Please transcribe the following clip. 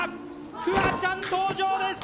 フワちゃん登場です！